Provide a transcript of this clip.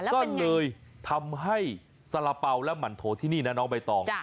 ก็เลยทำให้สาระเป๋าและหมั่นโถที่นี่นะน้องใบตอง